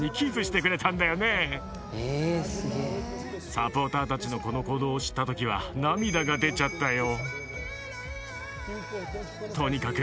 サポーターたちのこの行動を知った時は涙が出ちゃったよ。